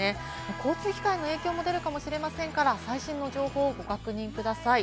交通機関への影響も出るかもしれませんから最新の情報をご確認ください。